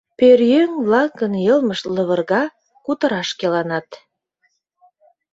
...Пӧръеҥ-влакын йылмышт лывырга, кутыраш келанат.